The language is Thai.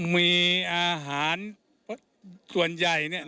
มีอาหารส่วนใหญ่เนี่ย